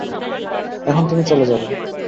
এখন তুমি চলে যাবে।